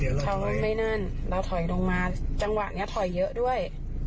เดี๋ยวเดี๋ยวเราถอยเราถอยลงมาจังหวะเนี้ยถอยเยอะด้วย